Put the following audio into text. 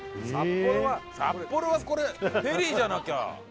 札幌はこれフェリーじゃなきゃ。